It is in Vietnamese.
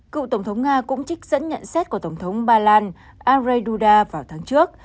cựu tổng thống nga cũng trích dẫn nhận xét của tổng thống ba lan ane duda vào tháng trước